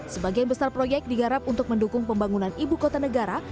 sebagian besar proyek digarap untuk mendukung pembangunan ibu kota negara